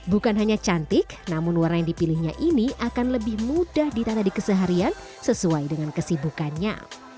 bukan hanya cantik namun warna yang dipilihnya ini akan lebih mudah ditana di keseharian sesuai dengan kesibukannya